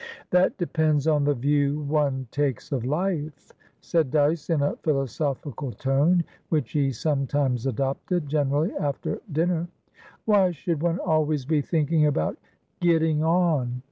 "That depends on the view one takes of life," said Dyce, in a philosophical tone which he sometimes adoptedgenerally after dinner. "Why should one always be thinking about 'getting on?'